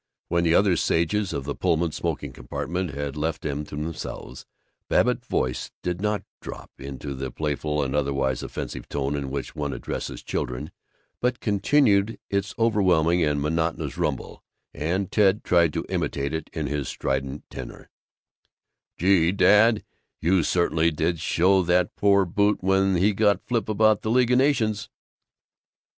When the other sages of the Pullman smoking compartment had left them to themselves, Babbitt's voice did not drop into the playful and otherwise offensive tone in which one addresses children but continued its overwhelming and monotonous rumble, and Ted tried to imitate it in his strident tenor: "Gee, dad, you certainly did show up that poor boot when he got flip about the League of Nations!"